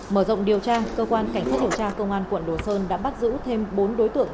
mở rộng điều tra cơ quan cảnh sát điều tra công an quận đồ sơn đã bắt giữ thêm bốn đối tượng